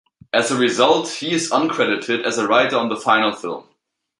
As a result, he is uncredited as a writer on the final film.